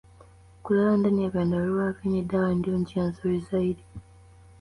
Kulala ndani ya vyandarua vyenye dawa ndiyo njia nzuri zaidi